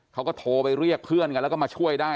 เขาก็โทรไปเรียกเพื่อนกันแล้วก็มาช่วยได้